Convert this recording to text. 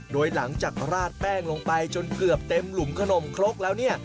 โดยหลังจากราดแป้งลงไปจนเกือบเต็มหลุมขนมครกแล้วเนี่ย